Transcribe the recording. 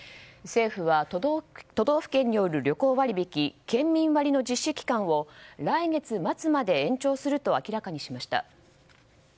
政府は都道府県による旅行割引県民割の実施期間を来月末まで延長すると明らかにしました。